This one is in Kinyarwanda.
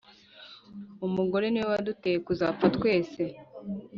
umugore ni we waduteye kuzapfa twese.